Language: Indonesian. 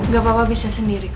gapapa bisa sendiri kak